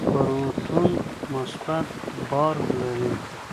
پروتون مثبت بار لري.